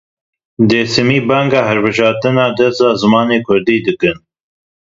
Dersîmî banga hilbijartina dersa zimanê kurdî dikin.